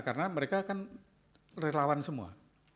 karena mereka kan relawan semua